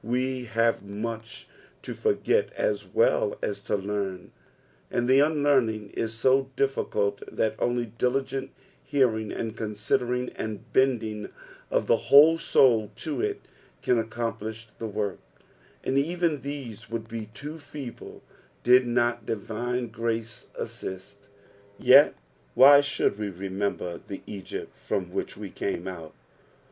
We have much to forget as well as to learn, and the unlearning is so difiicult that only diligent hearing, and considering, and bending of the whole soul to it, can accomplish the work ; and even these would be too feeble did not divine grace assist. Yet why should we remember the Egypt from which we came out